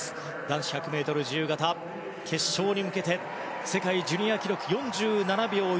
男子１００ｍ自由形決勝に向けて世界ジュニア記録、４７秒１３。